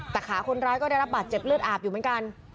แต่ขาคนร้ายก็ได้รับบาดเจ็บเลือดอาบอยู่เหมือนกัน